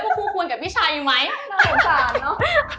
ก็คู่ควรกับพี่ชัยไหมนางโปรดสารเนาะ